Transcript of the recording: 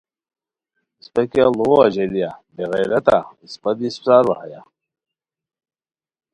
اسپہ کیہ ڑوؤو اژیلیا بے غیرتا اسپہ دی اسپڅار وا ہیہ